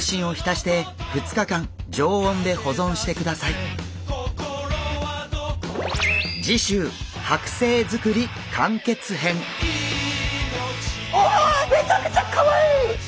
めちゃくちゃかわいい！